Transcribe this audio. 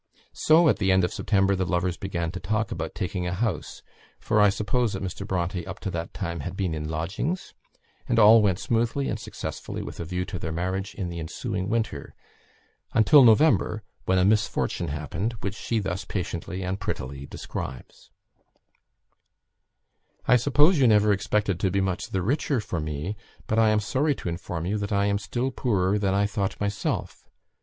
So, at the end of September, the lovers began to talk about taking a house, for I suppose that Mr. Bronte up to that time had been in lodgings; and all went smoothly and successfully with a view to their marriage in the ensuing winter, until November, when a misfortune happened, which she thus patiently and prettily describes: "I suppose you never expected to be much the richer for me, but I am sorry to inform you that I am still poorer than I thought myself.